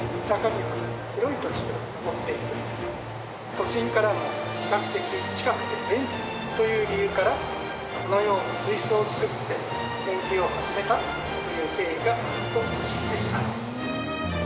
都心からも比較的近くて便利という理由からこのような水槽を作って研究を始めたという経緯があると聞いています。